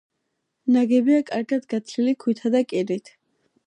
ნაგებია კარგად გათლილი ქვითა და კირით.